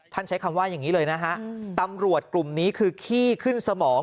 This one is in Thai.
ใช้คำว่าอย่างนี้เลยนะฮะตำรวจกลุ่มนี้คือขี้ขึ้นสมอง